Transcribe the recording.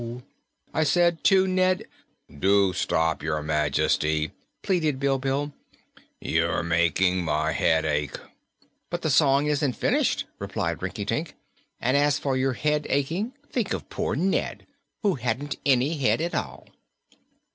"I said to Ned " "Do stop, Your Majesty!" pleaded Bilbil. "You're making my head ache." "But the song isn't finished," replied Rinkitink, "and as for your head aching, think of poor Ned, who hadn't any head at all!"